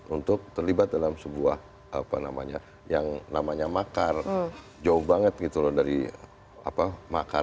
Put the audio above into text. untuk terlibat dalam sebuah apa namanya yang namanya makar jauh banget gitu loh dari makar